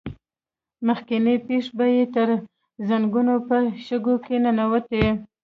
مخکينۍ پښې به يې تر زنګنو په شګو کې ننوتې.